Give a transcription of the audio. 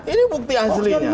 ini bukti aslinya